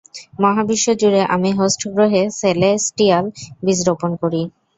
মহাবিশ্ব জুড়ে আমি হোস্ট গ্রহে সেলেস্টিয়াল বীজ রোপণ করি।